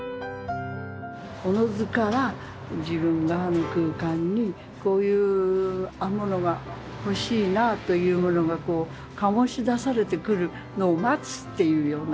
おのずから自分があの空間にこういうものが欲しいなというものがこう醸し出されてくるのを待つっていうような。